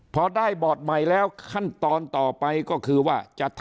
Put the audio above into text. พอได้บอร์ดใหม่แล้วขั้นตอนต่อไปก็คือว่าจะทำ